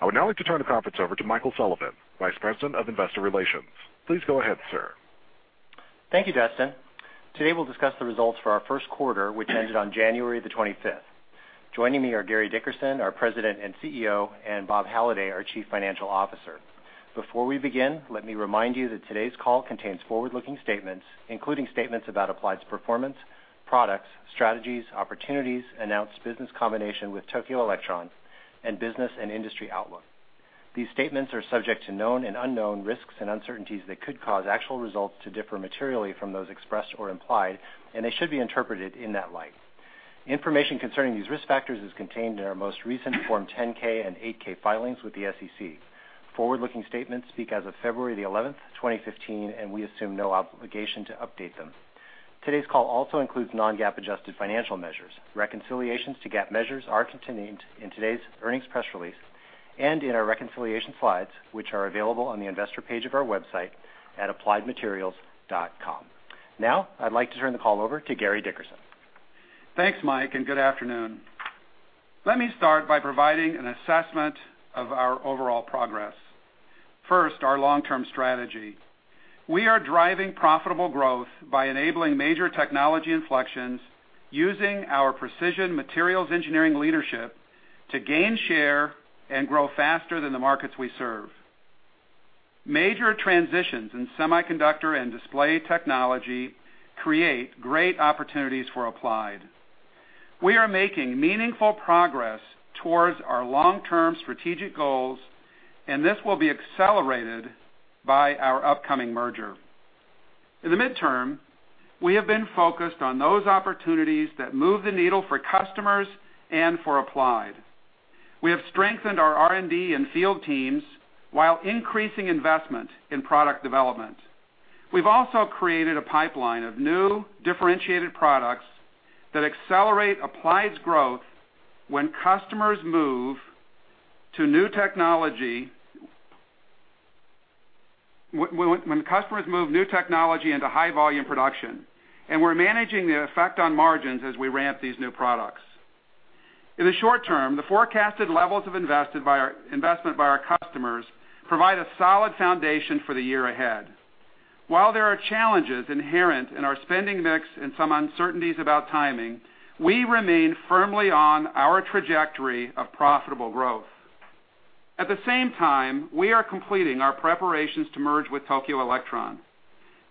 I would now like to turn the conference over to Michael Sullivan, Vice President of Investor Relations. Please go ahead, sir. Thank you, Justin. Today we'll discuss the results for our first quarter, which ended on January 25. Joining me are Gary Dickerson, our President and CEO, and Bob Halliday, our Chief Financial Officer. Before we begin, let me remind you that today's call contains forward-looking statements, including statements about Applied's performance, products, strategies, opportunities, announced business combination with Tokyo Electron, business and industry outlook. These statements are subject to known and unknown risks and uncertainties that could cause actual results to differ materially from those expressed or implied, and they should be interpreted in that light. Information concerning these risk factors is contained in our most recent Form 10-K and 8-K filings with the SEC. Forward-looking statements speak as of February 11, 2015, we assume no obligation to update them. Today's call also includes non-GAAP adjusted financial measures. Reconciliations to GAAP measures are contained in today's earnings press release and in our reconciliation slides, which are available on the investor page of our website at appliedmaterials.com. Now I'd like to turn the call over to Gary Dickerson. Thanks, Mike, good afternoon. Let me start by providing an assessment of our overall progress. First, our long-term strategy. We are driving profitable growth by enabling major technology inflections using our precision materials engineering leadership to gain share and grow faster than the markets we serve. Major transitions in semiconductor and display technology create great opportunities for Applied. We are making meaningful progress towards our long-term strategic goals, this will be accelerated by our upcoming merger. In the midterm, we have been focused on those opportunities that move the needle for customers and for Applied. We have strengthened our R&D and field teams while increasing investment in product development. We've also created a pipeline of new differentiated products that accelerate Applied's growth when customers move new technology into high-volume production, we're managing the effect on margins as we ramp these new products. In the short term, the forecasted levels of investment by our customers provide a solid foundation for the year ahead. While there are challenges inherent in our spending mix and some uncertainties about timing, we remain firmly on our trajectory of profitable growth. At the same time, we are completing our preparations to merge with Tokyo Electron.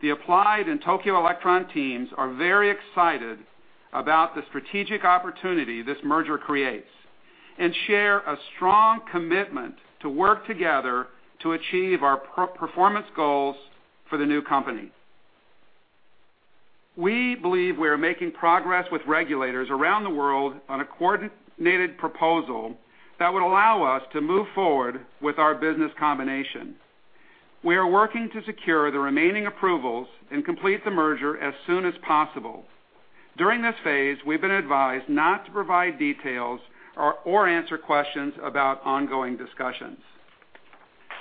The Applied and Tokyo Electron teams are very excited about the strategic opportunity this merger creates and share a strong commitment to work together to achieve our performance goals for the new company. We believe we are making progress with regulators around the world on a coordinated proposal that would allow us to move forward with our business combination. We are working to secure the remaining approvals and complete the merger as soon as possible. During this phase, we've been advised not to provide details or answer questions about ongoing discussions.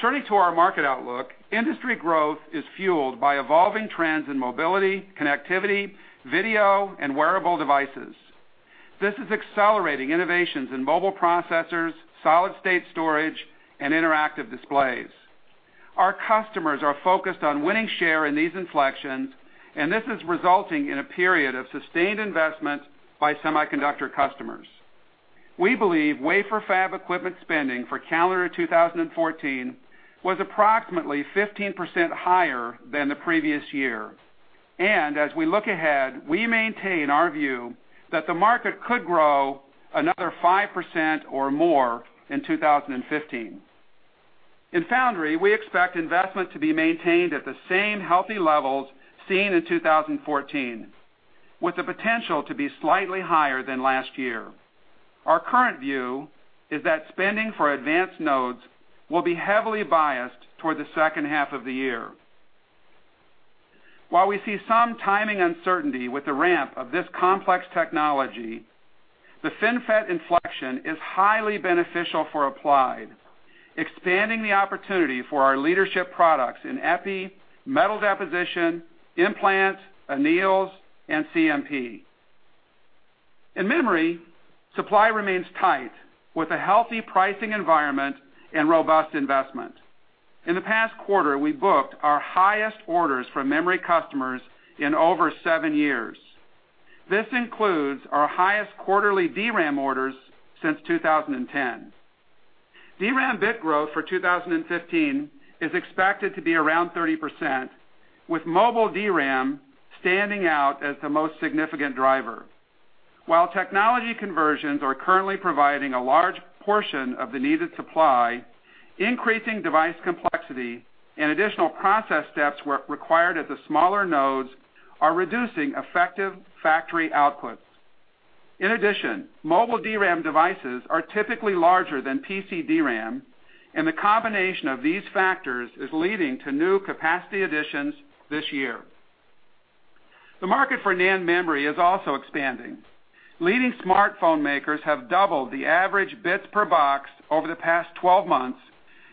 Turning to our market outlook, industry growth is fueled by evolving trends in mobility, connectivity, video, and wearable devices. This is accelerating innovations in mobile processors, solid-state storage, and interactive displays. Our customers are focused on winning share in these inflections, and this is resulting in a period of sustained investment by semiconductor customers. We believe wafer fab equipment spending for calendar 2014 was approximately 15% higher than the previous year. As we look ahead, we maintain our view that the market could grow another 5% or more in 2015. In foundry, we expect investment to be maintained at the same healthy levels seen in 2014, with the potential to be slightly higher than last year. Our current view is that spending for advanced nodes will be heavily biased toward the second half of the year. While we see some timing uncertainty with the ramp of this complex technology, the FinFET inflection is highly beneficial for Applied, expanding the opportunity for our leadership products in epi, metal deposition, implants, anneals, and CMP. In memory, supply remains tight, with a healthy pricing environment and robust investment. In the past quarter, we booked our highest orders from memory customers in over seven years. This includes our highest quarterly DRAM orders since 2010. DRAM bit growth for 2015 is expected to be around 30%, with mobile DRAM standing out as the most significant driver. While technology conversions are currently providing a large portion of the needed supply, increasing device complexity and additional process steps required at the smaller nodes are reducing effective factory outputs. In addition, mobile DRAM devices are typically larger than PC DRAM, and the combination of these factors is leading to new capacity additions this year. The market for NAND memory is also expanding. Leading smartphone makers have doubled the average bits per box over the past 12 months.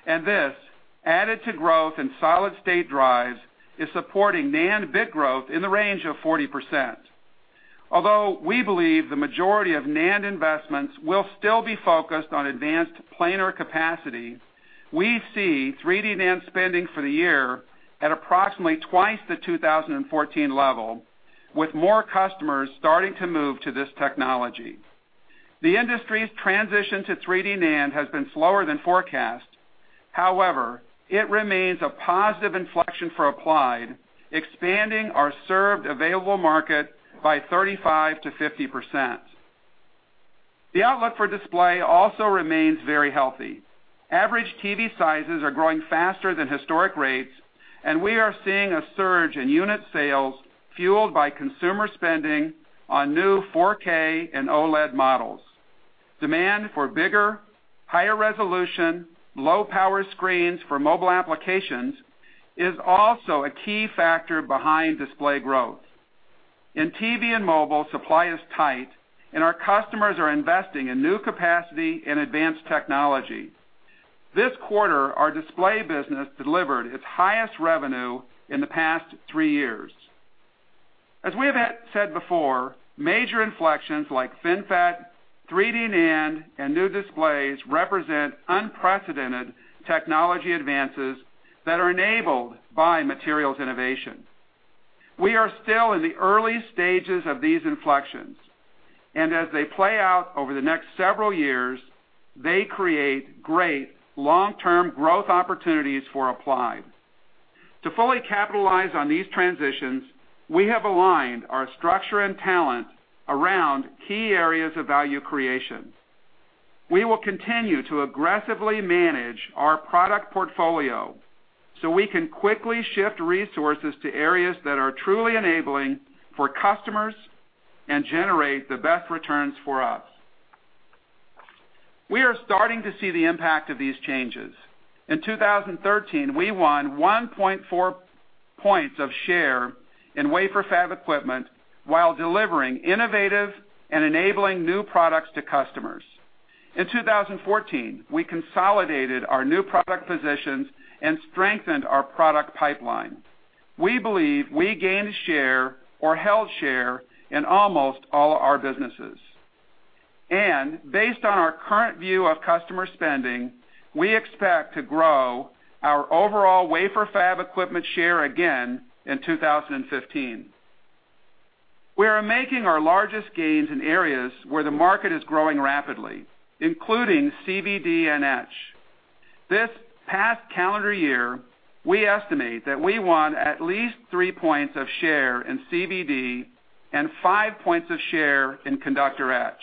This, added to growth in solid-state drives, is supporting NAND bit growth in the range of 40%. We believe the majority of NAND investments will still be focused on advanced planar capacity. We see 3D NAND spending for the year at approximately twice the 2014 level, with more customers starting to move to this technology. The industry's transition to 3D NAND has been slower than forecast. It remains a positive inflection for Applied, expanding our served available market by 35%-50%. The outlook for display also remains very healthy. Average TV sizes are growing faster than historic rates. We are seeing a surge in unit sales fueled by consumer spending on new 4K and OLED models. Demand for bigger, higher resolution, low-power screens for mobile applications is also a key factor behind display growth. In TV and mobile, supply is tight, and our customers are investing in new capacity and advanced technology. This quarter, our display business delivered its highest revenue in the past three years. As we have said before, major inflections like FinFET, 3D NAND, and new displays represent unprecedented technology advances that are enabled by materials innovation. We are still in the early stages of these inflections, and as they play out over the next several years, they create great long-term growth opportunities for Applied. To fully capitalize on these transitions, we have aligned our structure and talent around key areas of value creation. We will continue to aggressively manage our product portfolio so we can quickly shift resources to areas that are truly enabling for customers and generate the best returns for us. We are starting to see the impact of these changes. In 2013, we won 1.4 points of share in wafer fab equipment while delivering innovative and enabling new products to customers. In 2014, we consolidated our new product positions and strengthened our product pipeline. We believe we gained share or held share in almost all our businesses. Based on our current view of customer spending, we expect to grow our overall wafer fab equipment share again in 2015. We are making our largest gains in areas where the market is growing rapidly, including CVD and etch. This past calendar year, we estimate that we won at least three points of share in CVD and five points of share in conductor etch.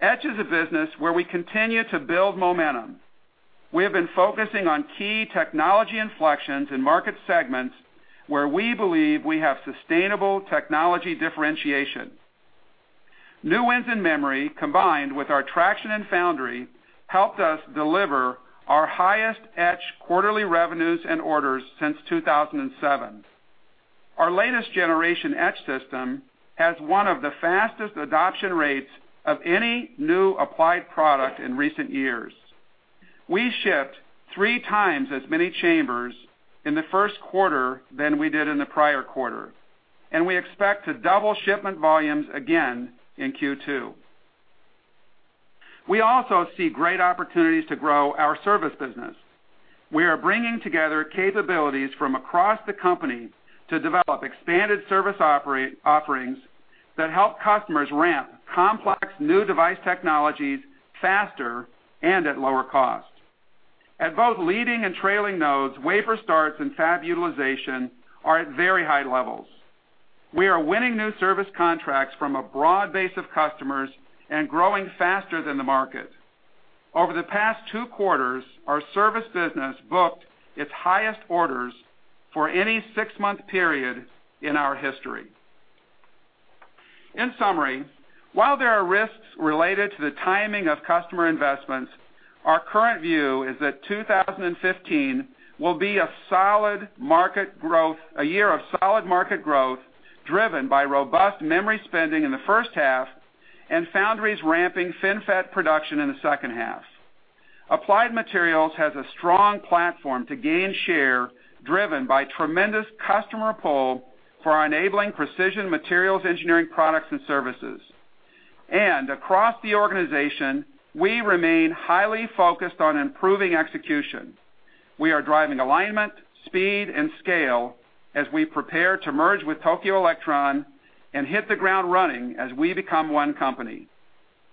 Etch is a business where we continue to build momentum. We have been focusing on key technology inflections in market segments where we believe we have sustainable technology differentiation. New wins in memory, combined with our traction in foundry, helped us deliver our highest etch quarterly revenues and orders since 2007. Our latest generation etch system has one of the fastest adoption rates of any new Applied product in recent years. We shipped three times as many chambers in the first quarter than we did in the prior quarter, and we expect to double shipment volumes again in Q2. We also see great opportunities to grow our service business. We are bringing together capabilities from across the company to develop expanded service offerings that help customers ramp complex new device technologies faster and at lower cost. At both leading and trailing nodes, wafer starts and fab utilization are at very high levels. We are winning new service contracts from a broad base of customers and growing faster than the market. Over the past two quarters, our service business booked its highest orders for any six-month period in our history. In summary, while there are risks related to the timing of customer investments, our current view is that 2015 will be a year of solid market growth driven by robust memory spending in the first half and foundries ramping FinFET production in the second half. Applied Materials has a strong platform to gain share driven by tremendous customer pull for our enabling precision materials engineering products and services. Across the organization, we remain highly focused on improving execution. We are driving alignment, speed, and scale as we prepare to merge with Tokyo Electron and hit the ground running as we become one company.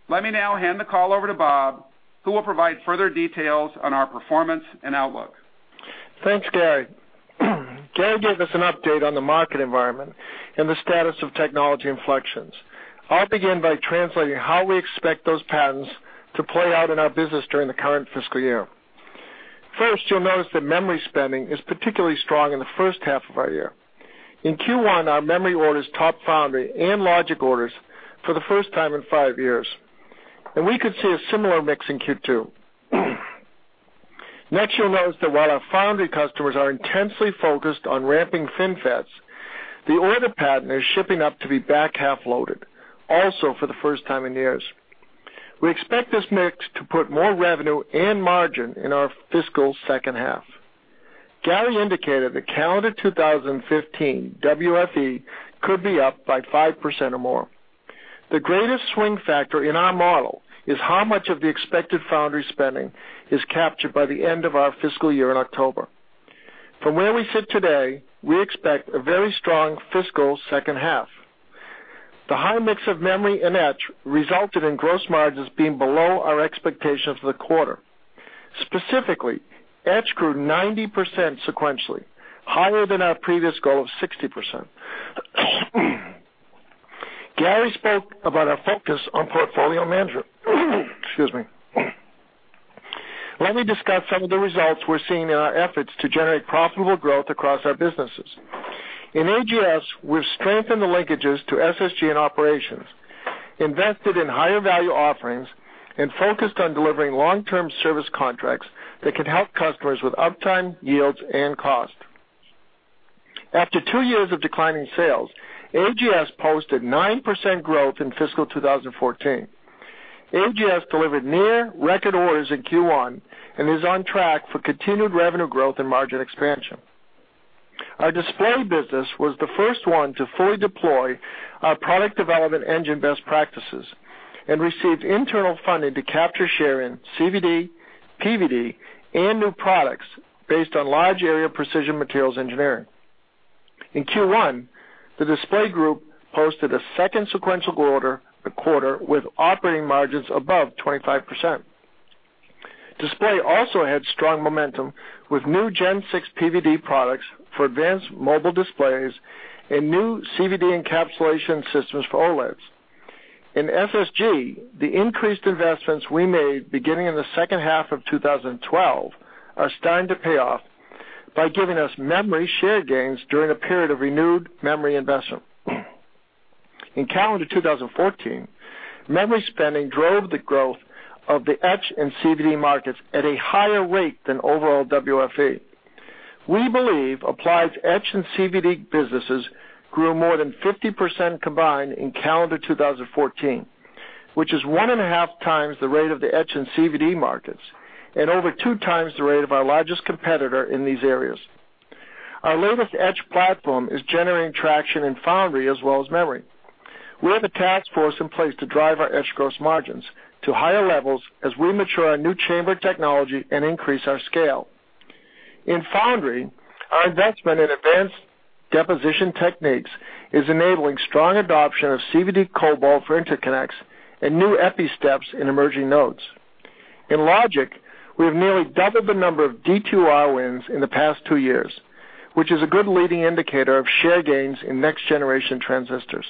Let me now hand the call over to Bob, who will provide further details on our performance and outlook. Thanks, Gary. Gary gave us an update on the market environment and the status of technology inflections. I'll begin by translating how we expect those patterns to play out in our business during the current fiscal year. First, you'll notice that memory spending is particularly strong in the first half of our year. In Q1, our memory orders topped foundry and logic orders for the first time in five years, and we could see a similar mix in Q2. Next, you'll notice that while our foundry customers are intensely focused on ramping FinFETs, the order pattern is shaping up to be back-half loaded, also for the first time in years. We expect this mix to put more revenue and margin in our fiscal second half. Gary indicated that calendar 2015 WFE could be up by 5% or more. The greatest swing factor in our model is how much of the expected foundry spending is captured by the end of our fiscal year in October. From where we sit today, we expect a very strong fiscal second half. The high mix of memory and etch resulted in gross margins being below our expectations for the quarter. Specifically, etch grew 90% sequentially, higher than our previous goal of 60%. Gary spoke about our focus on portfolio management. Excuse me. Let me discuss some of the results we're seeing in our efforts to generate profitable growth across our businesses. In AGS, we've strengthened the linkages to SSG and operations, invested in higher value offerings, and focused on delivering long-term service contracts that can help customers with uptime, yields, and cost. After two years of declining sales, AGS posted 9% growth in fiscal 2014. AGS delivered near record orders in Q1 and is on track for continued revenue growth and margin expansion. Our display business was the first one to fully deploy our product development engine best practices and received internal funding to capture share in CVD, PVD, and new products based on large-area precision materials engineering. In Q1, the display group posted a second sequential quarter with operating margins above 25%. Display also had strong momentum with new Gen 6 PVD products for advanced mobile displays and new CVD encapsulation systems for OLEDs. In SSG, the increased investments we made beginning in the second half of 2012 are starting to pay off by giving us memory share gains during a period of renewed memory investment. In calendar 2014, memory spending drove the growth of the etch and CVD markets at a higher rate than overall WFE. We believe Applied's etch and CVD businesses grew more than 50% combined in calendar 2014, which is 1.5x the rate of the etch and CVD markets and over 2x the rate of our largest competitor in these areas. Our latest etch platform is generating traction in foundry as well as memory. We have a task force in place to drive our etch gross margins to higher levels as we mature our new chamber technology and increase our scale. In foundry, our investment in advanced deposition techniques is enabling strong adoption of CVD cobalt for interconnects and new epi steps in emerging nodes. In logic, we have nearly doubled the number of D2R wins in the past two years, which is a good leading indicator of share gains in next-generation transistors.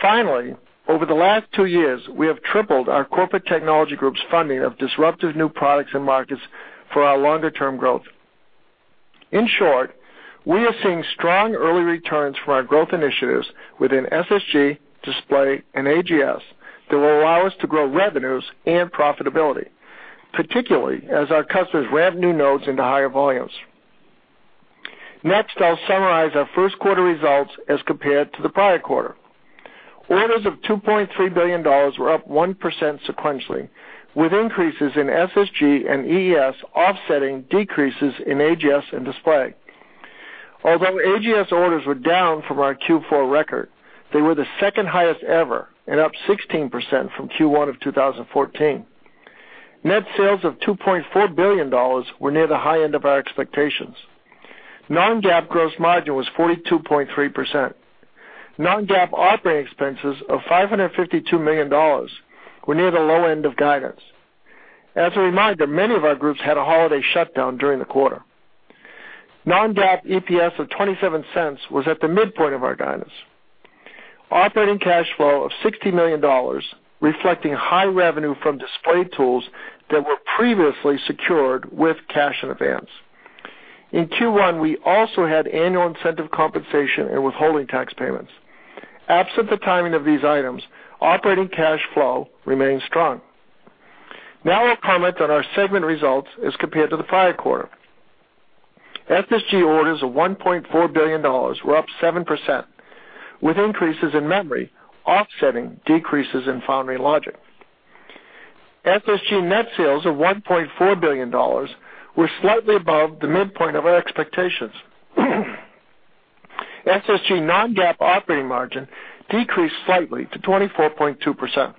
Finally, over the last two years, we have tripled our corporate technology group's funding of disruptive new products and markets for our longer-term growth. In short, we are seeing strong early returns from our growth initiatives within SSG, display, and AGS that will allow us to grow revenues and profitability, particularly as our customers ramp new nodes into higher volumes. Next, I'll summarize our first quarter results as compared to the prior quarter. Orders of $2.3 billion were up 1% sequentially, with increases in SSG and EES offsetting decreases in AGS and display. Although AGS orders were down from our Q4 record, they were the second highest ever and up 16% from Q1 of 2014. Net sales of $2.4 billion were near the high end of our expectations. Non-GAAP gross margin was 42.3%. Non-GAAP operating expenses of $552 million were near the low end of guidance. As a reminder, many of our groups had a holiday shutdown during the quarter. Non-GAAP EPS of $0.27 was at the midpoint of our guidance. Operating cash flow of $60 million, reflecting high revenue from display tools that were previously secured with cash in advance. In Q1, we also had annual incentive compensation and withholding tax payments. Absent the timing of these items, operating cash flow remained strong. Now I'll comment on our segment results as compared to the prior quarter. SSG orders of $1.4 billion were up 7%, with increases in memory offsetting decreases in foundry and logic. SSG net sales of $1.4 billion were slightly above the midpoint of our expectations. SSG non-GAAP operating margin decreased slightly to 24.2%.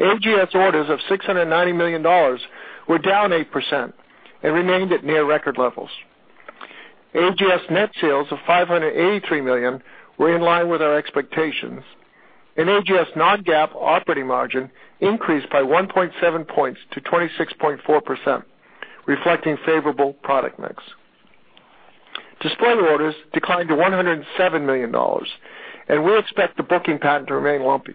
AGS orders of $690 million were down 8% and remained at near record levels. AGS net sales of $583 million were in line with our expectations. AGS non-GAAP operating margin increased by 1.7 points to 26.4%, reflecting favorable product mix. Display orders declined to $107 million, and we expect the booking pattern to remain lumpy.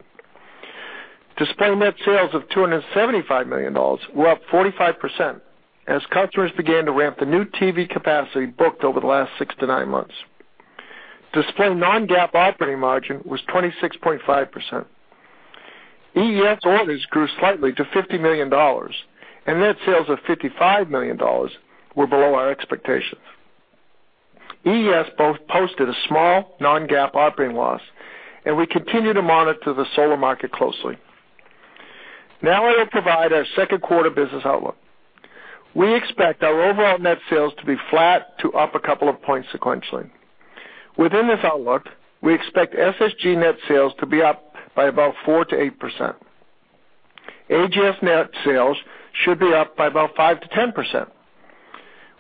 Display net sales of $275 million were up 45% as customers began to ramp the new TV capacity booked over the last six to nine months. Display non-GAAP operating margin was 26.5%. EES orders grew slightly to $50 million, and net sales of $55 million were below our expectations. EES both posted a small non-GAAP operating loss, and we continue to monitor the solar market closely. Now I will provide our second quarter business outlook. We expect our overall net sales to be flat to up a couple of points sequentially. Within this outlook, we expect SSG net sales to be up by about 4%-8%. AGS net sales should be up by about 5%-10%.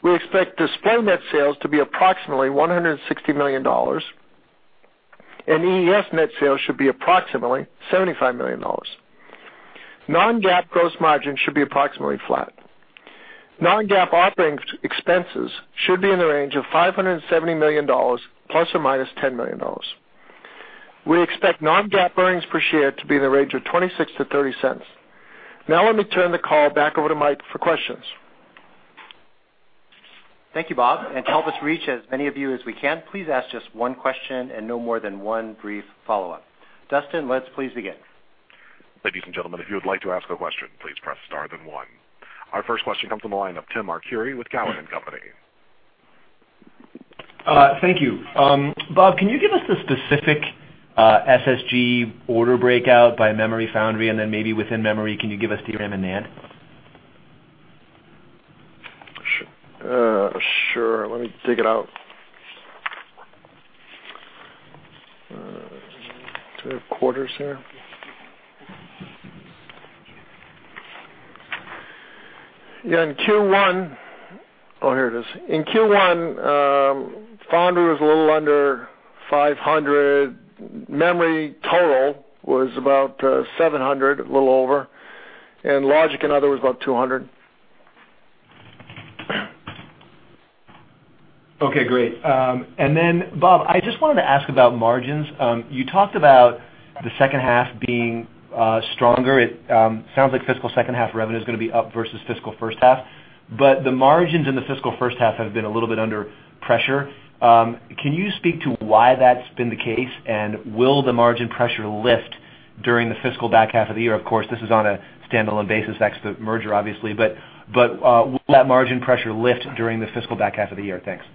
We expect display net sales to be approximately $160 million, and EES net sales should be approximately $75 million. Non-GAAP gross margins should be approximately flat. Non-GAAP operating expenses should be in the range of $570 million ± $10 million. We expect non-GAAP earnings per share to be in the range of $0.26-$0.30. Let me turn the call back over to Mike for questions. Thank you, Bob. To help us reach as many of you as we can, please ask just one question and no more than one brief follow-up. Justin, let's please begin. Ladies and gentlemen, if you would like to ask a question, please press star then one. Our first question comes on the line of Timothy Arcuri with Cowen and Company. Thank you, Bob. Can you give us the specific SSG order breakout by memory foundry? Then maybe within memory, can you give us DRAM and NAND? Sure. Let me dig it out. Do I have quarters here? Yeah. Oh, here it is. In Q1, foundry was a little under $500. Memory total was about $700, a little over, logic and other was about $200. Okay, great. Bob, I just wanted to ask about margins. You talked about the second half being stronger. It sounds like fiscal second half revenue is going to be up versus fiscal first half, the margins in the fiscal first half have been a little bit under pressure. Can you speak to why that's been the case, will the margin pressure lift during the fiscal back half of the year? Of course, this is on a standalone basis, ex the merger, obviously. Will that margin pressure lift during the fiscal back half of the year? Thanks.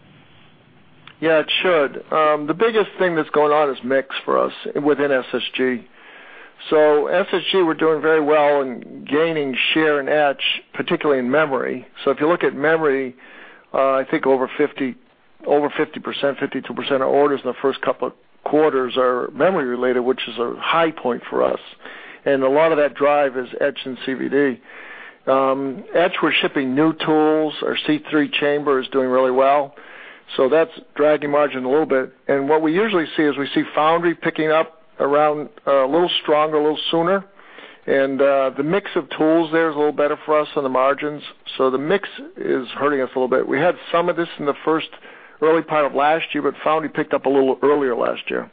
Yeah, it should. The biggest thing that's going on is mix for us within SSG. SSG, we're doing very well in gaining share in etch, particularly in memory. If you look at memory, I think over 50%, 52% of orders in the first couple of quarters are memory-related, which is a high point for us. A lot of that drive is etch and CVD. Etch, we're shipping new tools. Our C3 chamber is doing really well, that's dragging margin a little bit. What we usually see is we see foundry picking up around a little stronger, a little sooner, the mix of tools there is a little better for us on the margins. The mix is hurting us a little bit. We had some of this in the first early part of last year, foundry picked up a little earlier last year.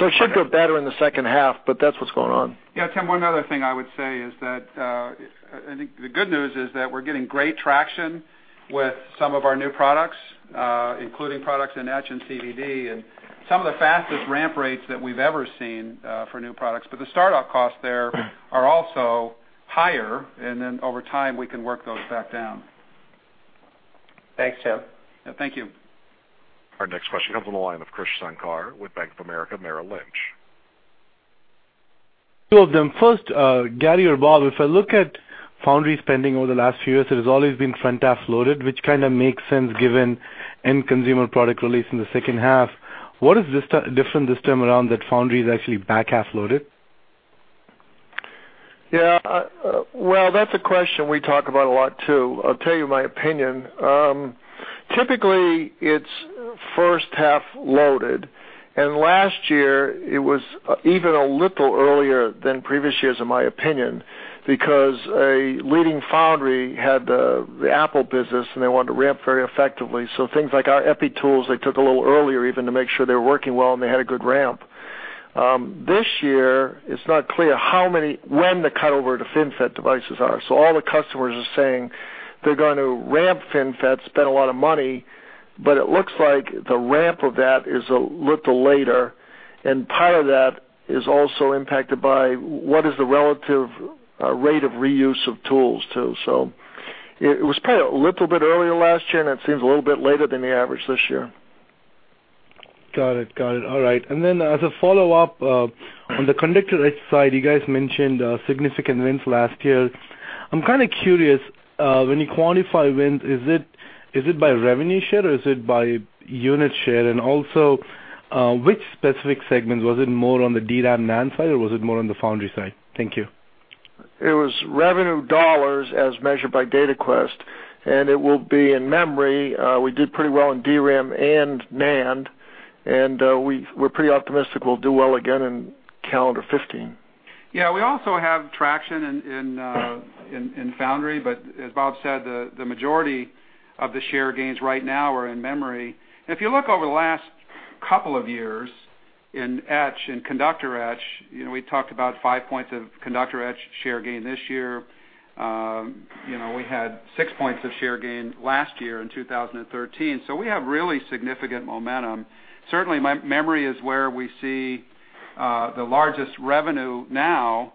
It should go better in the second half, that's what's going on. Yeah, Tim, one other thing I would say is that, I think the good news is that we're getting great traction with some of our new products, including products in etch and CVD, and some of the fastest ramp rates that we've ever seen for new products. The startup costs there are also higher, then over time, we can work those back down. Thanks, Tim. Yeah, thank you. Our next question comes on the line of Krish Sankar with Bank of America Merrill Lynch. Two of them. First, Gary or Bob, if I look at foundry spending over the last few years, it has always been front half loaded, which kind of makes sense given end consumer product release in the second half. What is different this time around that foundry is actually back half loaded? Yeah. Well, that's a question we talk about a lot, too. I'll tell you my opinion. Typically, it's first half loaded, and last year, it was even a little earlier than previous years, in my opinion, because a leading foundry had the Apple business, and they wanted to ramp very effectively. Things like our Epi tools, they took a little earlier even to make sure they were working well and they had a good ramp. This year, it's not clear when the cut over to FinFET devices are. All the customers are saying they're going to ramp FinFET, spend a lot of money, but it looks like the ramp of that is a little later, and part of that is also impacted by what is the relative rate of reuse of tools, too. It was probably a little bit earlier last year, and it seems a little bit later than the average this year. Got it. All right. As a follow-up, on the conductor etch side, you guys mentioned significant wins last year. I'm kind of curious, when you quantify wins, is it by revenue share or is it by unit share? Which specific segment? Was it more on the DRAM NAND side or was it more on the foundry side? Thank you. It was revenue dollars as measured by Dataquest. It will be in memory. We did pretty well in DRAM and NAND. We're pretty optimistic we'll do well again in calendar 2015. Yeah. We also have traction in foundry, as Bob said, the majority of the share gains right now are in memory. If you look over the last couple of years in etch, in conductor etch, we talked about five points of conductor etch share gain this year. We had six points of share gain last year in 2013. We have really significant momentum. Memory is where we see the largest revenue now,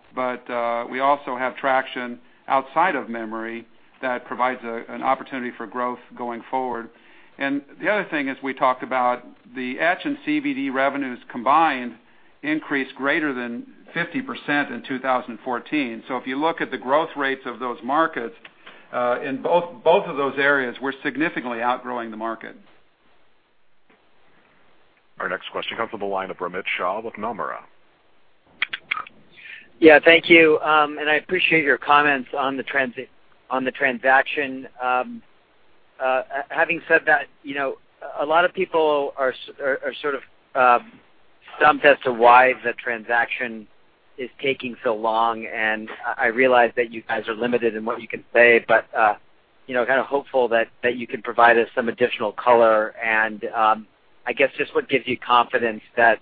we also have traction outside of memory that provides an opportunity for growth going forward. The other thing is we talked about the etch and CVD revenues combined increased greater than 50% in 2014. If you look at the growth rates of those markets, in both of those areas, we're significantly outgrowing the market. Our next question comes from the line of Amit Shah with Nomura. Yeah, thank you. I appreciate your comments on the transaction. Having said that, a lot of people are stumped as to why the transaction is taking so long. I realize that you guys are limited in what you can say, kind of hopeful that you can provide us some additional color and, I guess just what gives you confidence that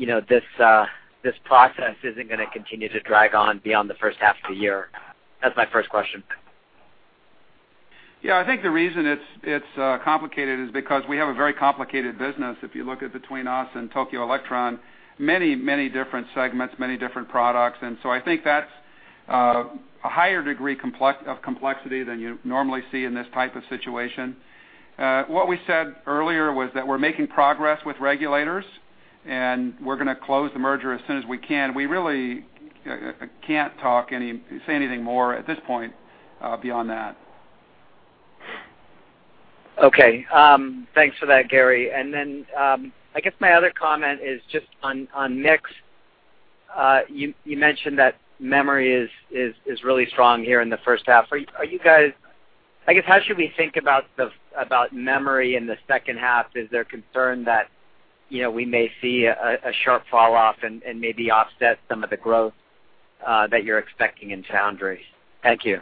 this process isn't going to continue to drag on beyond the first half of the year. That's my first question. Yeah, I think the reason it's complicated is because we have a very complicated business. If you look at between us and Tokyo Electron, many different segments, many different products. I think that's a higher degree of complexity than you'd normally see in this type of situation. What we said earlier was that we're making progress with regulators. We're going to close the merger as soon as we can. We really can't say anything more at this point beyond that. Okay. Thanks for that, Gary. My other comment is just on mix. You mentioned that memory is really strong here in the first half. How should we think about memory in the second half? Is there concern that we may see a sharp fall off and maybe offset some of the growth that you're expecting in foundry? Thank you.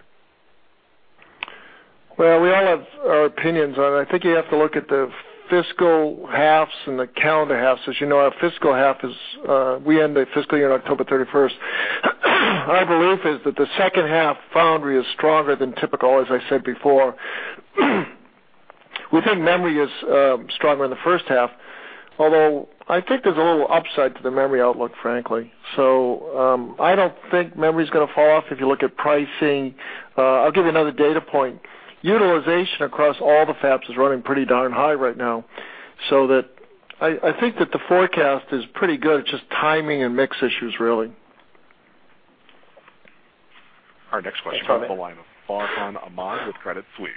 Well, we all have our opinions on it. I think you have to look at the fiscal halves and the calendar halves. As you know, our fiscal half, we end our fiscal year on October 31st. My belief is that the second half foundry is stronger than typical, as I said before. We think memory is stronger in the first half, although I think there's a little upside to the memory outlook, frankly. I don't think memory's going to fall off if you look at pricing. I'll give you another data point. Utilization across all the fabs is running pretty darn high right now, so that I think the forecast is pretty good, it's just timing and mix issues, really. Our next question from the line of Farhan Ahmad with Credit Suisse.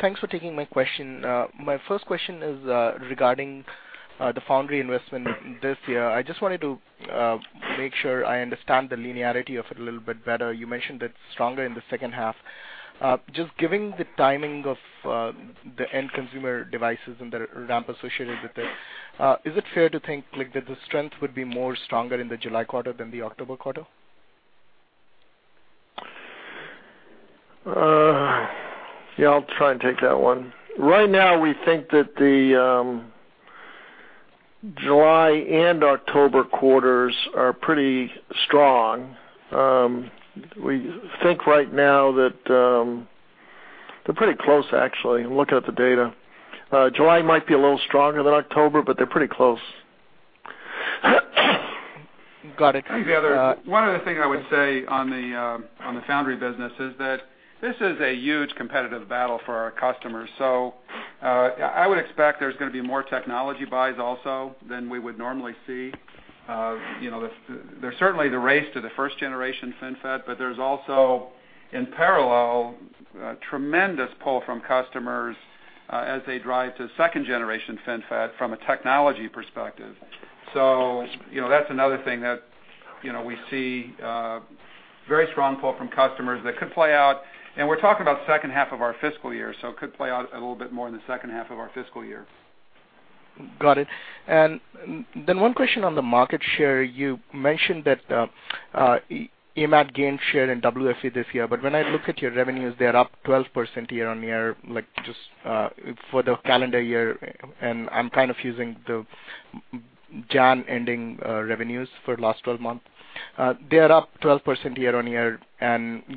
Thanks for taking my question. My first question is regarding the foundry investment this year. I just wanted to make sure I understand the linearity of it a little bit better. You mentioned it's stronger in the second half. Just giving the timing of the end consumer devices and the ramp associated with it, is it fair to think, like, that the strength would be more stronger in the July quarter than the October quarter? Yeah, I'll try and take that one. Right now, we think that the July and October quarters are pretty strong. We think right now that they're pretty close, actually, looking at the data. July might be a little stronger than October, but they're pretty close. Got it. One other thing I would say on the foundry business is that this is a huge competitive battle for our customers, so I would expect there's going to be more technology buys also than we would normally see. There's certainly the race to the first-generation FinFET, but there's also, in parallel, a tremendous pull from customers as they drive to second-generation FinFET from a technology perspective. That's another thing that we see very strong pull from customers that could play out, and we're talking about second half of our fiscal year, so it could play out a little bit more in the second half of our fiscal year. Got it. One question on the market share. You mentioned that AMAT gained share in WFE this year, but when I look at your revenues, they're up 12% year-over-year, like, just for the calendar year, and I'm kind of using the Jan-ending revenues for last 12 months. They are up 12% year-over-year.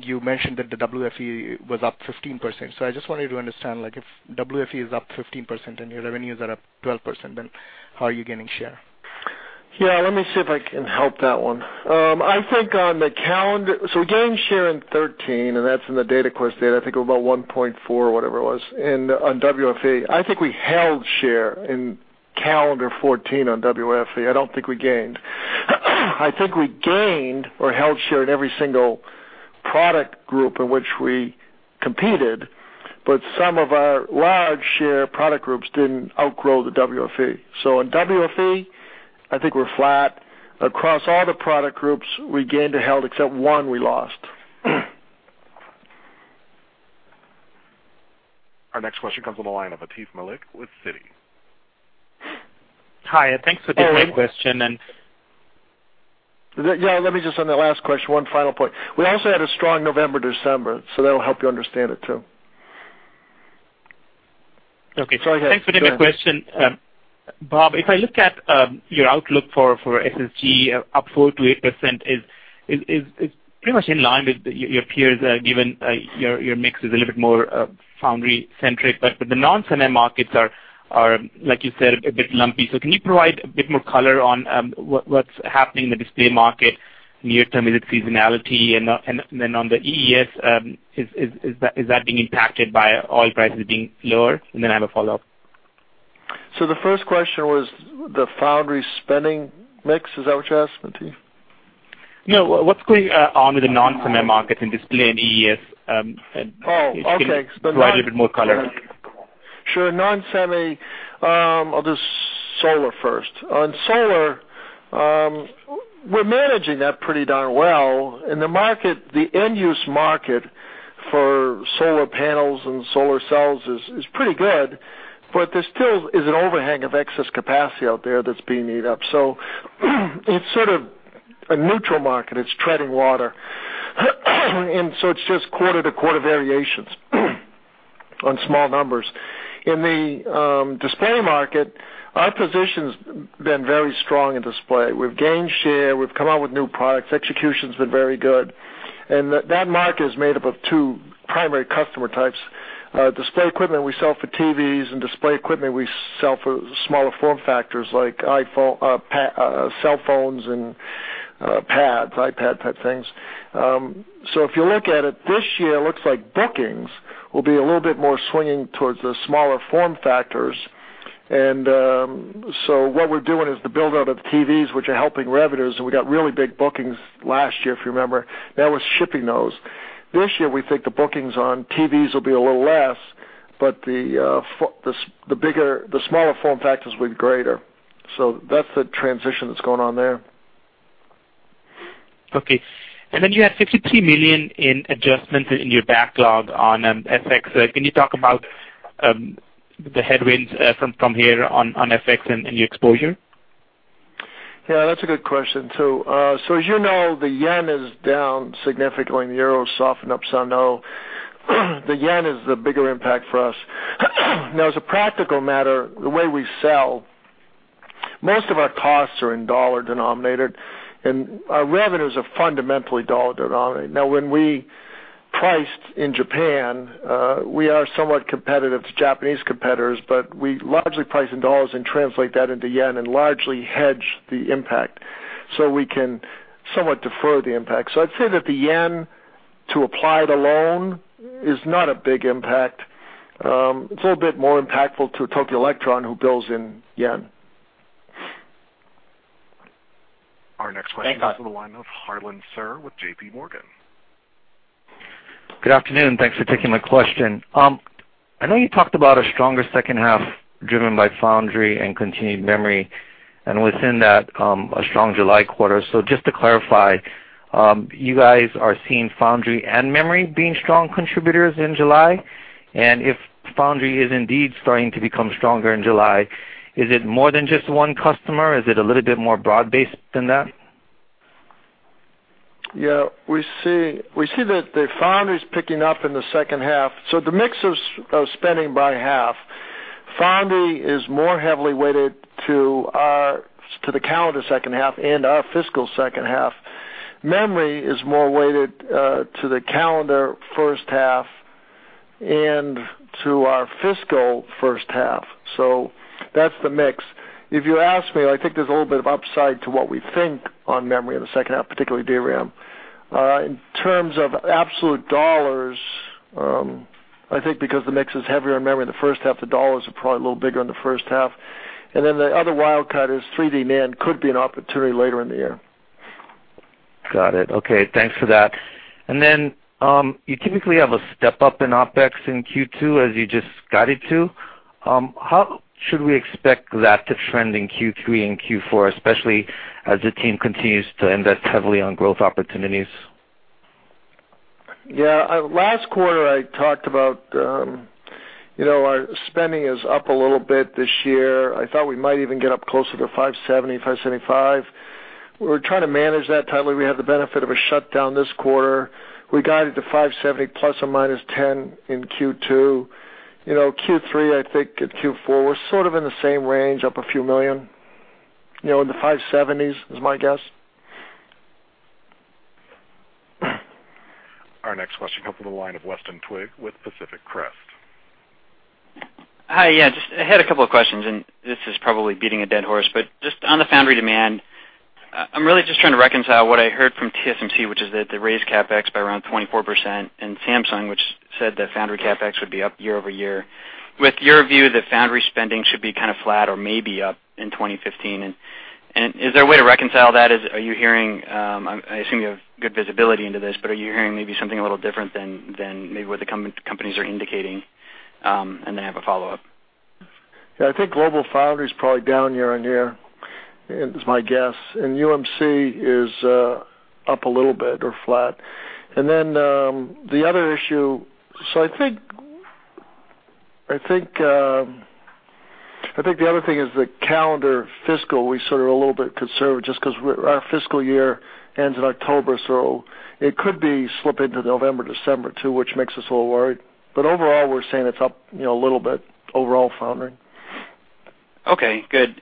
You mentioned that the WFE was up 15%. I just wanted to understand, like, if WFE is up 15% and your revenues are up 12%, how are you gaining share? Yeah, let me see if I can help that one. We gained share in 2013, and that's in the Dataquest data, I think it was about 1.4 or whatever it was on WFE. I think we held share in calendar 2014 on WFE. I don't think we gained. I think we gained or held share in every single product group in which we competed, some of our large share product groups didn't outgrow the WFE. On WFE, I think we're flat. Across all the product groups, we gained or held, except one we lost. Our next question comes on the line of Atif Malik with Citi. Hi, thanks for taking my question. Let me just on that last question, one final point. We also had a strong November, December, that'll help you understand it, too. Okay. Go ahead. Thanks for the good question. Bob, if I look at your outlook for SSG up 4%-8% is pretty much in line with your peers, given your mix is a little bit more foundry centric, the non-semi markets are, like you said, a bit lumpy. Can you provide a bit more color on what's happening in the display market? Near-term, is it seasonality? On the EES, is that being impacted by oil prices being lower? I have a follow-up. The first question was the foundry spending mix. Is that what you're asking, Atif? No. What's going on with the non-semi markets in display and EES? Okay. If you can provide a bit more color. Sure. Non-semi, I'll do solar first. On solar, we're managing that pretty darn well, and the end-use market for solar panels and solar cells is pretty good, but there still is an overhang of excess capacity out there that's being eaten up. It's sort of a neutral market. It's treading water. It's just quarter-to-quarter variations on small numbers. In the display market, our position's been very strong in display. We've gained share, we've come out with new products, execution's been very good. That market is made up of two primary customer types. Display equipment we sell for TVs and display equipment we sell for smaller form factors like cell phones and pads, iPad-type things. If you look at it this year, it looks like bookings will be a little bit more swinging towards the smaller form factors. What we're doing is the build-out of TVs, which are helping revenues, and we got really big bookings last year, if you remember. Now we're shipping those. This year, we think the bookings on TVs will be a little less, but the smaller form factors will be greater. That's the transition that's going on there. Okay. You have $53 million in adjustments in your backlog on FX. Can you talk about the headwinds from here on FX and your exposure? Yeah, that's a good question, too. As you know, the JPY is down significantly and the EUR softened up, so I know the JPY is the bigger impact for us. Now, as a practical matter, the way we sell, most of our costs are in U.S. dollar-denominated, and our revenues are fundamentally U.S. dollar-denominated. Now, when we priced in Japan, we are somewhat competitive to Japanese competitors, but we largely price in U.S. dollars and translate that into JPY and largely hedge the impact so we can somewhat defer the impact. I'd say that the JPY, to Applied Materials alone, is not a big impact. It's a little bit more impactful to Tokyo Electron, who bills in JPY. Our next question goes to the line of Harlan Sur with J.P. Morgan. Good afternoon. Thanks for taking my question. I know you talked about a stronger second half driven by foundry and continued memory, and within that, a strong July quarter. Just to clarify, you guys are seeing foundry and memory being strong contributors in July? If foundry is indeed starting to become stronger in July, is it more than just one customer? Is it a little bit more broad-based than that? Yeah. We see that the foundry's picking up in the second half. The mix of spending by half, foundry is more heavily weighted to the calendar second half and our fiscal second half. Memory is more weighted to the calendar first half and to our fiscal first half. That's the mix. If you ask me, I think there's a little bit of upside to what we think on memory in the second half, particularly DRAM. In terms of absolute dollars, I think because the mix is heavier on memory in the first half, the dollars are probably a little bigger in the first half. The other wild card is 3D NAND could be an opportunity later in the year. Got it. Okay, thanks for that. Then, you typically have a step-up in OpEx in Q2, as you just guided to. How should we expect that to trend in Q3 and Q4, especially as the team continues to invest heavily on growth opportunities? Yeah. Last quarter, I talked about our spending is up a little bit this year. I thought we might even get up closer to $570, $575. We're trying to manage that tightly. We have the benefit of a shutdown this quarter. We guided to $570 ±10 in Q2. Q3, I think, and Q4, we're sort of in the same range, up a few million. In the $570s is my guess. Our next question comes from the line of Weston Twigg with Pacific Crest. Hi, yeah. I had a couple of questions. This is probably beating a dead horse, just on the foundry demand, I'm really just trying to reconcile what I heard from TSMC, which is that they raised CapEx by around 24%, Samsung, which said that foundry CapEx would be up year-over-year. With your view that foundry spending should be kind of flat or maybe up in 2015, is there a way to reconcile that? I assume you have good visibility into this, are you hearing maybe something a little different than maybe what the companies are indicating? Then I have a follow-up. Yeah, I think GlobalFoundries is probably down year-on-year is my guess, UMC is up a little bit or flat. Then, the other issue, I think the other thing is the calendar fiscal, we're sort of a little bit conservative just because our fiscal year ends in October, so it could be slip into November, December too, which makes us a little worried. Overall, we're saying it's up a little bit, overall foundry. Okay, good.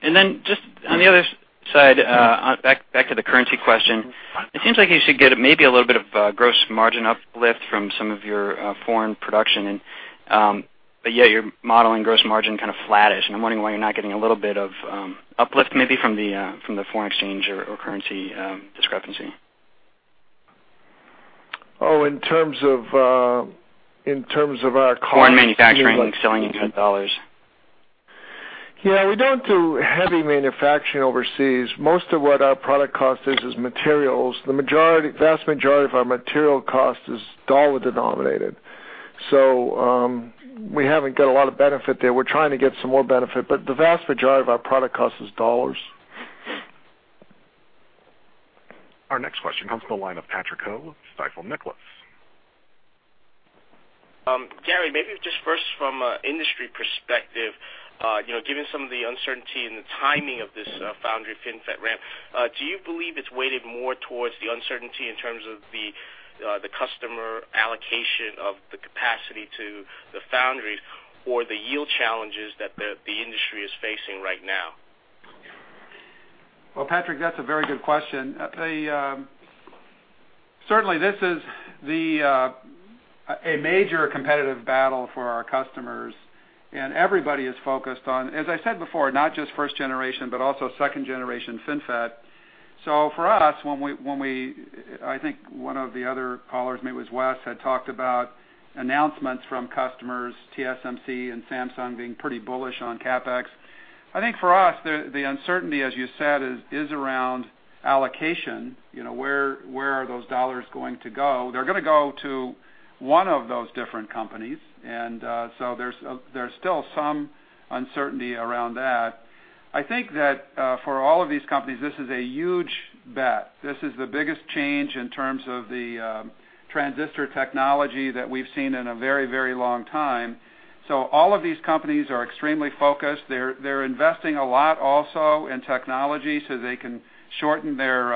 Just on the other side, back to the currency question. It seems like you should get maybe a little bit of gross margin uplift from some of your foreign production, but yet you're modeling gross margin kind of flattish, and I'm wondering why you're not getting a little bit of uplift, maybe from the foreign exchange or currency discrepancy. Oh, in terms of our cost- More in manufacturing than selling, in hard dollars. Yeah, we don't do heavy manufacturing overseas. Most of what our product cost is materials. The vast majority of our material cost is dollar-denominated. We haven't got a lot of benefit there. We're trying to get some more benefit, the vast majority of our product cost is dollars. Our next question comes from the line of Patrick Ho with Stifel Nicolaus. Gary, maybe just first from an industry perspective, given some of the uncertainty and the timing of this foundry FinFET ramp, do you believe it's weighted more towards the uncertainty in terms of the customer allocation of the capacity to the foundries, or the yield challenges that the industry is facing right now? Well, Patrick, that's a very good question. Certainly, this is a major competitive battle for our customers, and everybody is focused on, as I said before, not just first generation, but also second generation FinFET. For us, I think one of the other callers, maybe it was Wes, had talked about announcements from customers, TSMC and Samsung being pretty bullish on CapEx. I think for us, the uncertainty, as you said, is around allocation, where are those dollars going to go? They're going to go to one of those different companies. There's still some uncertainty around that. I think that for all of these companies, this is a huge bet. This is the biggest change in terms of the transistor technology that we've seen in a very long time. All of these companies are extremely focused. They're investing a lot also in technology so they can shorten their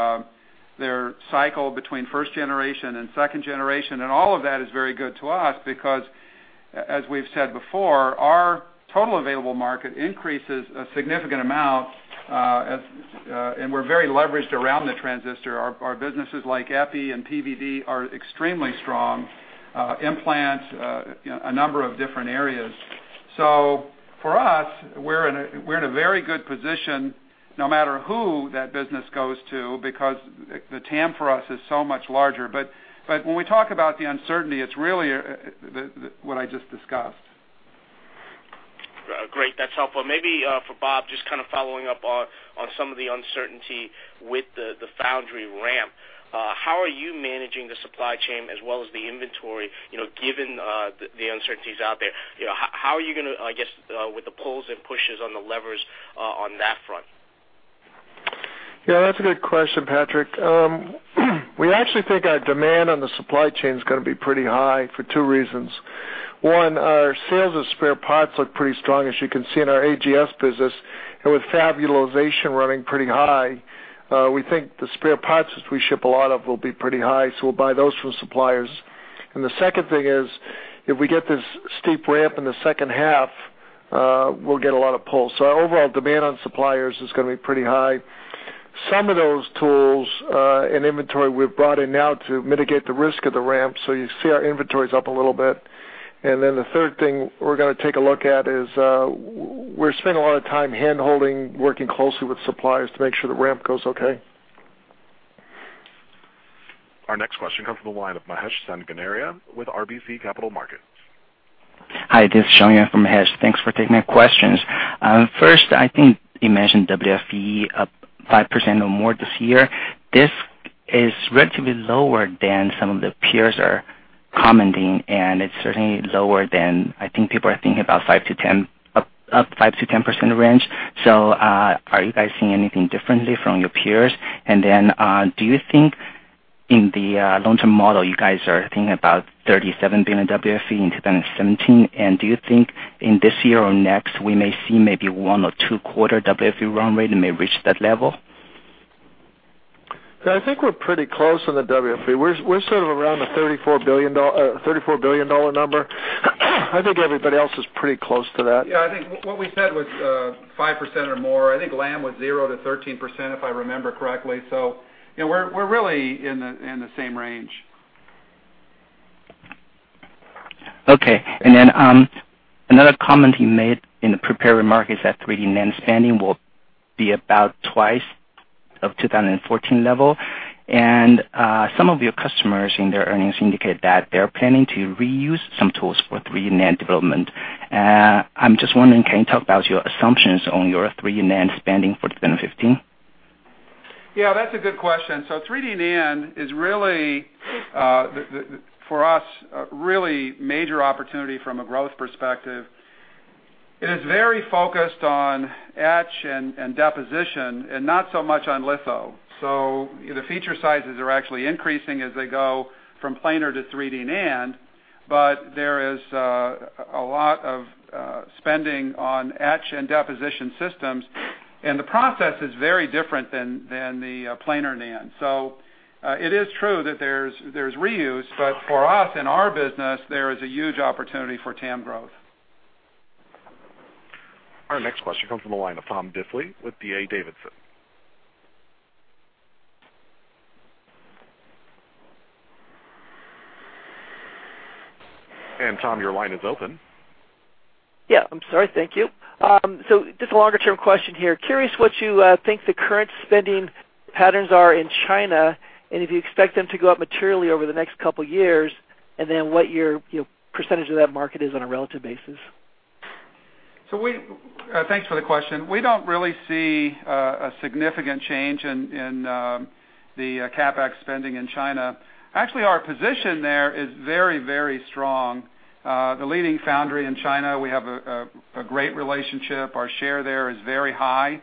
cycle between first generation and second generation. All of that is very good to us because, as we've said before, our total available market increases a significant amount, and we're very leveraged around the transistor. Our businesses like EPI and PVD are extremely strong, implants, a number of different areas. For us, we're in a very good position no matter who that business goes to, because the TAM for us is so much larger. When we talk about the uncertainty, it's really what I just discussed. Great. That's helpful. Maybe for Bob, just kind of following up on some of the uncertainty with the foundry ramp. How are you managing the supply chain as well as the inventory, given the uncertainties out there? How are you going to, I guess, with the pulls and pushes on the levers on that front? Yeah, that's a good question, Patrick. We actually think our demand on the supply chain is going to be pretty high for two reasons. One, our sales of spare parts look pretty strong, as you can see in our AGS business, and with fab utilization running pretty high, we think the spare parts that we ship a lot of will be pretty high, so we'll buy those from suppliers. The second thing is, if we get this steep ramp in the second half, we'll get a lot of pull. Our overall demand on suppliers is going to be pretty high. Some of those tools and inventory we've brought in now to mitigate the risk of the ramp, so you see our inventory's up a little bit. The third thing we're going to take a look at is, we're spending a lot of time hand-holding, working closely with suppliers to make sure the ramp goes okay. Our next question comes from the line of Mahesh Sanganeria with RBC Capital Markets. Hi, this is Shanya from Mahesh. Thanks for taking my questions. First, I think you mentioned WFE up 5% or more this year. This is relatively lower than some of the peers are commenting, and it's certainly lower than, I think people are thinking about up 5%-10% range. Are you guys seeing anything differently from your peers? Do you think in the long-term model, you guys are thinking about $37 billion WFE in 2017, and do you think in this year or next, we may see maybe one or two quarter WFE run rate may reach that level? I think we're pretty close on the WFE. We're sort of around the $34 billion number. I think everybody else is pretty close to that. Yeah, I think what we said was 5% or more. I think Lam was 0%-13%, if I remember correctly. We're really in the same range. Okay. Another comment you made in the prepared remarks is that 3D NAND spending will be about twice of 2014 level. Some of your customers in their earnings indicate that they're planning to reuse some tools for 3D NAND development. I'm just wondering, can you talk about your assumptions on your 3D NAND spending for 2015? Yeah, that's a good question. 3D NAND is really, for us, a really major opportunity from a growth perspective. It is very focused on etch and deposition, and not so much on litho. The feature sizes are actually increasing as they go from planar to 3D NAND, but there is a lot of spending on etch and deposition systems, and the process is very different than the planar NAND. It is true that there's reuse, but for us, in our business, there is a huge opportunity for TAM growth. Our next question comes from the line of Tom Diffley with D.A. Davidson. Tom, your line is open. Yeah, I'm sorry. Thank you. Just a longer-term question here. Curious what you think the current spending patterns are in China, and if you expect them to go up materially over the next couple of years, and then what your percentage of that market is on a relative basis. Thanks for the question. We don't really see a significant change in the CapEx spending in China. Actually, our position there is very strong. The leading foundry in China, we have a great relationship. Our share there is very high.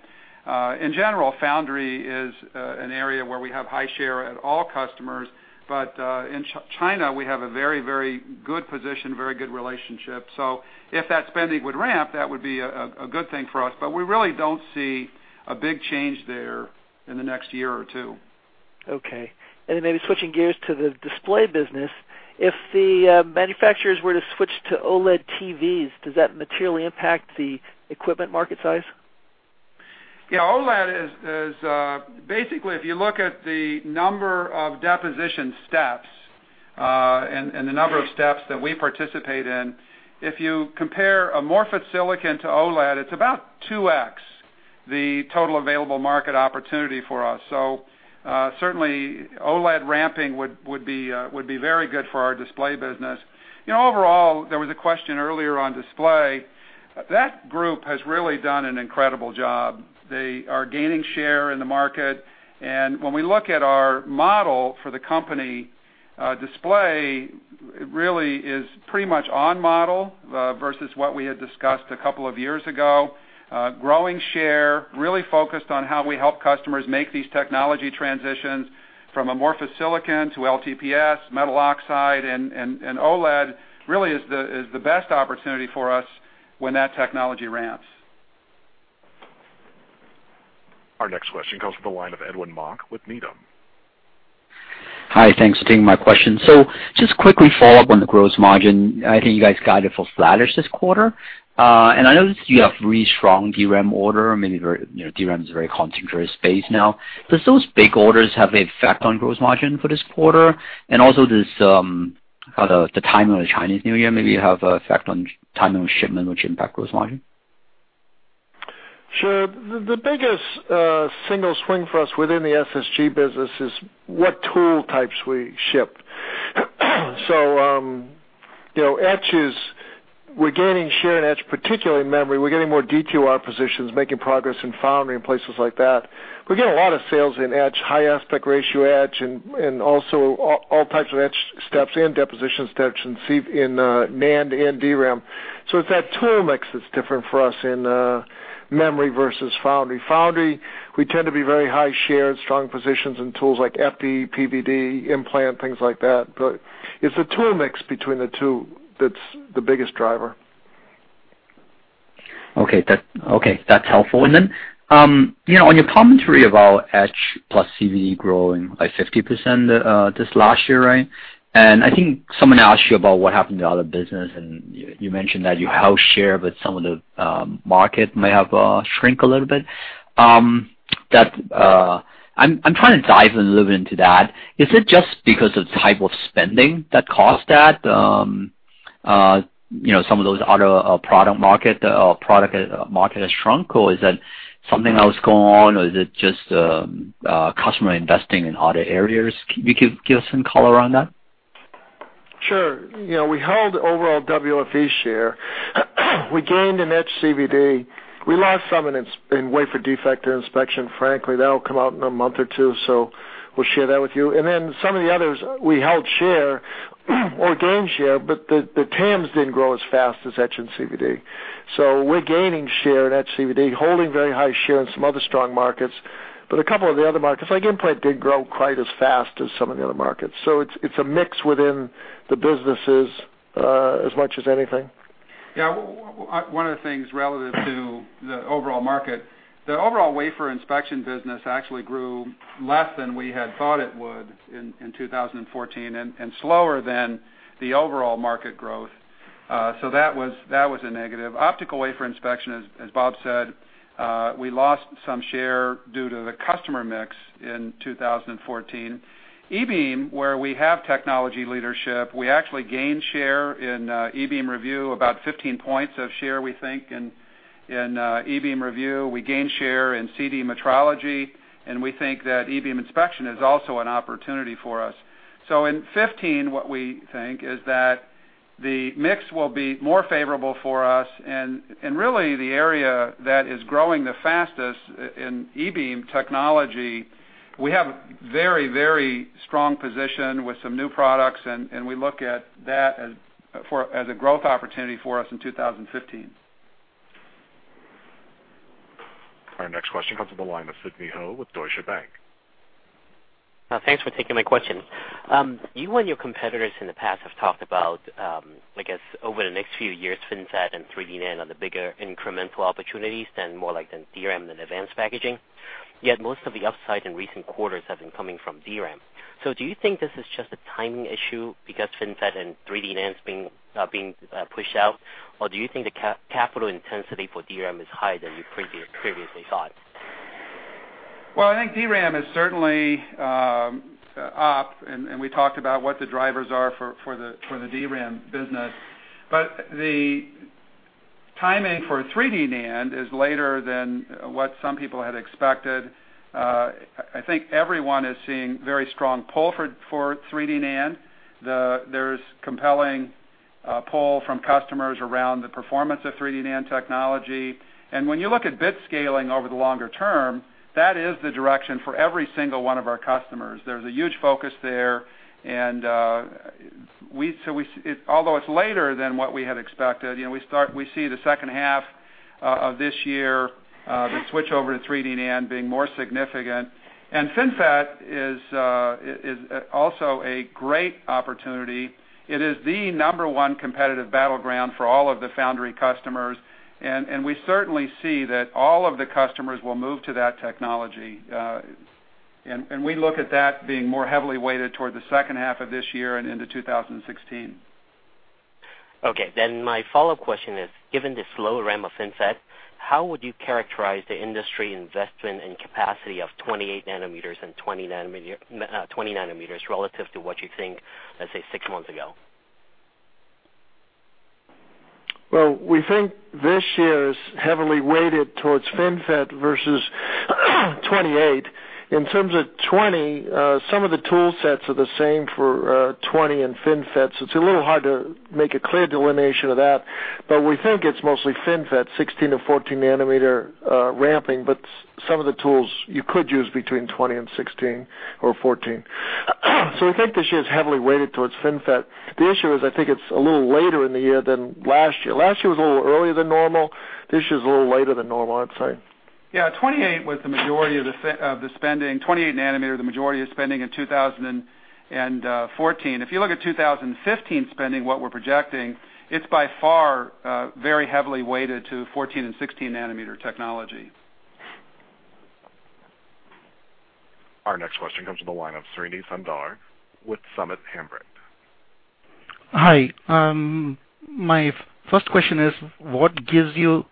In general, foundry is an area where we have high share at all customers. In China, we have a very good position, very good relationship. If that spending would ramp, that would be a good thing for us, but we really don't see a big change there in the next year or two. Okay. Then maybe switching gears to the display business, if the manufacturers were to switch to OLED TVs, does that materially impact the equipment market size? Yeah, OLED is basically, if you look at the number of deposition steps and the number of steps that we participate in, if you compare amorphous silicon to OLED, it's about 2X the total available market opportunity for us. Certainly OLED ramping would be very good for our display business. Overall, there was a question earlier on display. That group has really done an incredible job. They are gaining share in the market, and when we look at our model for the company, display really is pretty much on model, versus what we had discussed a couple of years ago. Growing share, really focused on how we help customers make these technology transitions from amorphous silicon to LTPS, metal oxide, and OLED really is the best opportunity for us when that technology ramps. Our next question comes from the line of Edwin Mok with Needham. Hi. Thanks for taking my question. Just quickly follow up on the gross margin. I think you guys guided for flattish this quarter. I noticed you have really strong DRAM order. Maybe DRAM is a very concentrated space now. Does those big orders have an effect on gross margin for this quarter? Also, does the timing of the Chinese New Year maybe have an effect on timing of shipment, which impact gross margin? Sure. The biggest single swing for us within the SSG business is what tool types we ship. Etches, we're gaining share in etch, particularly in memory. We're getting more DQR positions, making progress in foundry and places like that. We get a lot of sales in etch, high aspect ratio etch, and also all types of etch steps and deposition steps in NAND and DRAM. It's that tool mix that's different for us in memory versus foundry. Foundry, we tend to be very high share and strong positions in tools like FD, PVD, implant, things like that. It's the tool mix between the two that's the biggest driver. Okay. That's helpful. On your commentary about etch plus CVD growing by 50% this last year. I think someone asked you about what happened to other business, and you mentioned that you held share, some of the market may have shrink a little bit. I'm trying to dive a little bit into that. Is it just because of the type of spending that caused that some of those other product market has shrunk, or is that something else going on, or is it just customer investing in other areas? Can you give some color on that? Sure. We held overall WFE share. We gained in etch CVD. We lost some in wafer defect or inspection, frankly. That'll come out in a month or two, we'll share that with you. Some of the others, we held share or gained share, the TAMs didn't grow as fast as etch and CVD. We're gaining share in etch, CVD, holding very high share in some other strong markets. A couple of the other markets, like implant, didn't grow quite as fast as some of the other markets. It's a mix within the businesses as much as anything. Yeah. One of the things relative to the overall market, the overall wafer inspection business actually grew less than we had thought it would in 2014 and slower than the overall market growth. That was a negative. Optical wafer inspection, as Bob said, we lost some share due to the customer mix in 2014. E-beam, where we have technology leadership, we actually gained share in E-beam review, about 15 points of share, we think, in E-beam review. We gained share in CD metrology, and we think that E-beam inspection is also an opportunity for us. In 2015, what we think is that the mix will be more favorable for us, and really, the area that is growing the fastest in E-beam technology, we have very strong position with some new products, and we look at that as a growth opportunity for us in 2015. Our next question comes from the line of Sidney Ho with Deutsche Bank. Thanks for taking my question. You and your competitors in the past have talked about, I guess over the next few years, FinFET and 3D NAND are the bigger incremental opportunities than more like than DRAM than advanced packaging. Yet most of the upside in recent quarters have been coming from DRAM. Do you think this is just a timing issue because FinFET and 3D NAND being pushed out, or do you think the capital intensity for DRAM is higher than you previously thought? Well, I think DRAM is certainly up, and we talked about what the drivers are for the DRAM business. The timing for 3D NAND is later than what some people had expected. I think everyone is seeing very strong pull for 3D NAND. There's compelling pull from customers around the performance of 3D NAND technology. When you look at bit scaling over the longer term, that is the direction for every single one of our customers. There's a huge focus there, and although it's later than what we had expected, we see the second half of this year, the switch over to 3D NAND being more significant. FinFET is also a great opportunity. It is the number one competitive battleground for all of the foundry customers, and we certainly see that all of the customers will move to that technology. We look at that being more heavily weighted toward the second half of this year and into 2016. Okay, my follow-up question is, given the slow ramp of FinFET, how would you characterize the industry investment in capacity of 28 nanometer and 20 nanometer relative to what you think, let's say, six months ago? Well, we think this year is heavily weighted towards FinFET versus 28. In terms of 20, some of the tool sets are the same for 20 and FinFET, it's a little hard to make a clear delineation of that. We think it's mostly FinFET 16 to 14 nanometer ramping, but some of the tools you could use between 20 and 16 or 14. We think this year is heavily weighted towards FinFET. The issue is, I think it's a little later in the year than last year. Last year was a little earlier than normal. This year is a little later than normal, I'd say. Yeah, 28 was the majority of the spending, 28 nanometer, the majority of spending in 2014. If you look at 2015 spending, what we're projecting, it's by far very heavily weighted to 14 and 16 nanometer technology. Our next question comes from the line of [inaudible] with Summit Hambrecht. Hi. My first question is, what gives you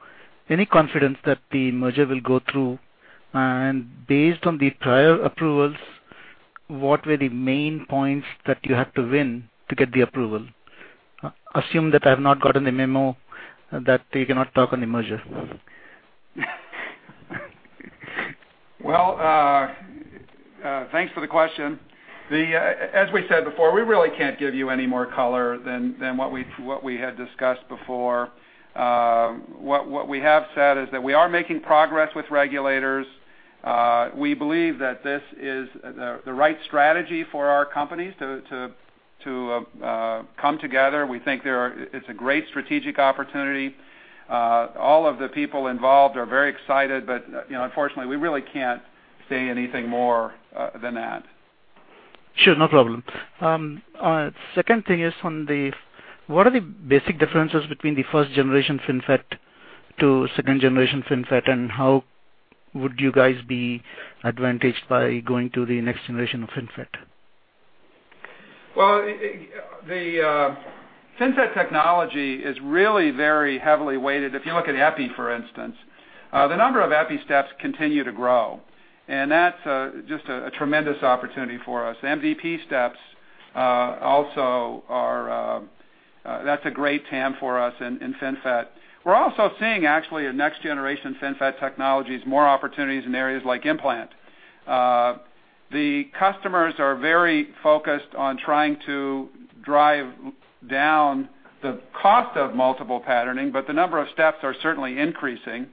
any confidence that the merger will go through? Based on the prior approvals, what were the main points that you have to win to get the approval? Assume that I've not gotten the memo that you cannot talk on the merger. Well, thanks for the question. As we said before, we really can't give you any more color than what we had discussed before. What we have said is that we are making progress with regulators. We believe that this is the right strategy for our companies to come together. We think it's a great strategic opportunity. All of the people involved are very excited, but unfortunately, we really can't say anything more than that. Sure. No problem. What are the basic differences between the 1st generation FinFET to 2nd generation FinFET, how would you guys be advantaged by going to the next generation of FinFET? Well, the FinFET technology is really very heavily weighted. If you look at EPI, for instance, the number of EPI steps continue to grow, that's just a tremendous opportunity for us. PVD steps also That's a great TAM for us in FinFET. We're also seeing actually a next generation FinFET technologies, more opportunities in areas like implant. The customers are very focused on trying to drive down the cost of multiple patterning, the number of steps are certainly increasing.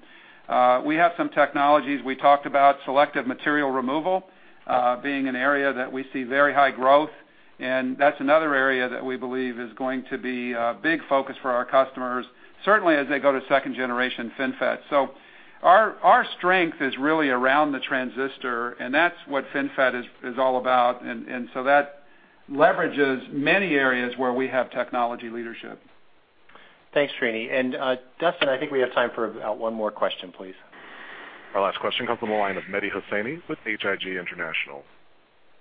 We have some technologies. We talked about selective material removal being an area that we see very high growth, that's another area that we believe is going to be a big focus for our customers, certainly as they go to 2nd generation FinFET. Our strength is really around the transistor, and that's what FinFET is all about, and so that leverages many areas where we have technology leadership. Thanks, Srini. Justin, I think we have time for about one more question, please. Our last question comes from the line of Mehdi Hosseini with Susquehanna Financial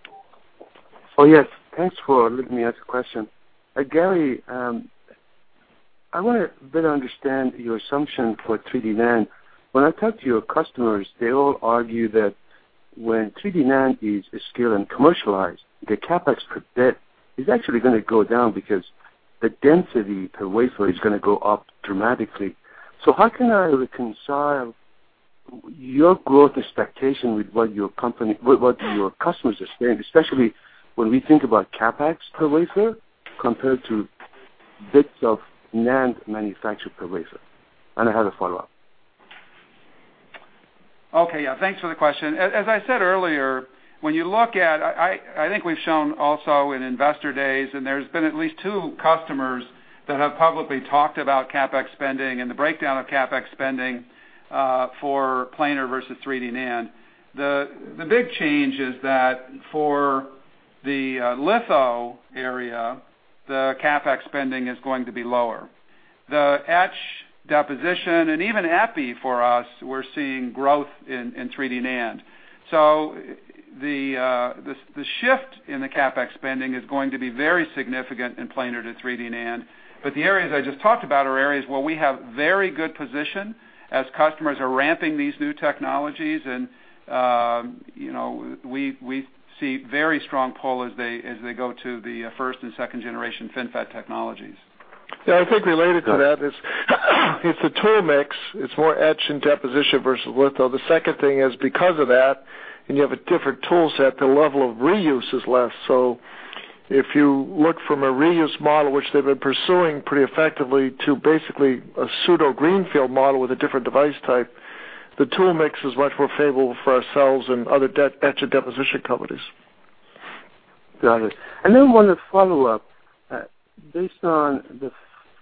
Group. Oh, yes. Thanks for letting me ask a question. Gary, I want to better understand your assumption for 3D NAND. When I talk to your customers, they all argue that when 3D NAND is scaled and commercialized, the CapEx per bit is actually going to go down because the density per wafer is going to go up dramatically. How can I reconcile your growth expectation with what your customers are saying, especially when we think about CapEx per wafer compared to bits of NAND manufactured per wafer? I have a follow-up. Okay. Yeah, thanks for the question. As I said earlier, I think we've shown also in investor days, and there's been at least two customers that have publicly talked about CapEx spending and the breakdown of CapEx spending for planar versus 3D NAND. The big change is that the CapEx spending is going to be lower. The etch deposition, and even epitaxy for us, we're seeing growth in 3D NAND. The shift in the CapEx spending is going to be very significant in planar to 3D NAND. The areas I just talked about are areas where we have very good position as customers are ramping these new technologies, and we see very strong pull as they go to the first and second generation FinFET technologies. Yeah, I think related to that is, it's the tool mix. It's more etch and deposition versus litho. The second thing is because of that, you have a different tool set, the level of reuse is less. If you look from a reuse model, which they've been pursuing pretty effectively to basically a pseudo greenfield model with a different device type, the tool mix is much more favorable for ourselves and other etch and deposition companies. Got it. One follow-up. Based on the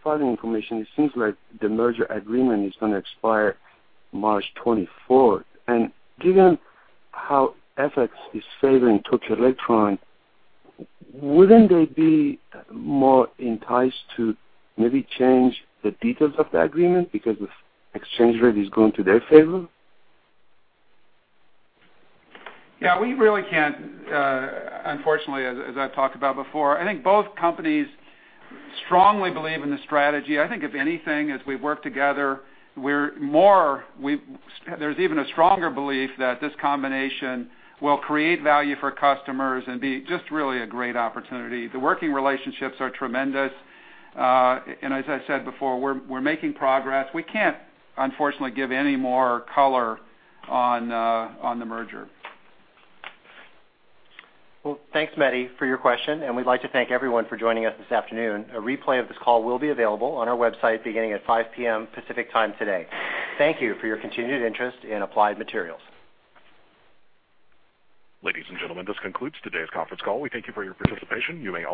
filing information, it seems like the merger agreement is going to expire March 24th. Given how FX is favoring Tokyo Electron, wouldn't they be more enticed to maybe change the details of the agreement because the exchange rate is going to their favor? Yeah, we really can't, unfortunately, as I've talked about before. I think both companies strongly believe in the strategy. I think if anything, as we work together, there's even a stronger belief that this combination will create value for customers and be just really a great opportunity. The working relationships are tremendous. As I said before, we're making progress. We can't, unfortunately, give any more color on the merger. Well, thanks, Mehdi, for your question, and we'd like to thank everyone for joining us this afternoon. A replay of this call will be available on our website beginning at 5:00 P.M. Pacific Time today. Thank you for your continued interest in Applied Materials. Ladies and gentlemen, this concludes today's conference call. We thank you for your participation. You may all disconnect.